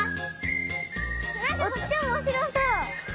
なんかこっちおもしろそう。